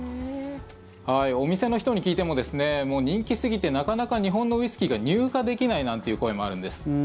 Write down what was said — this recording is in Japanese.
お店の人に聞いてももう人気すぎてなかなか日本のウイスキーが入荷できないなんていう声もあるんです。